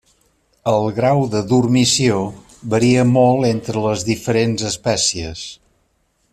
El grau de dormició varia molt entre les diferents espècies.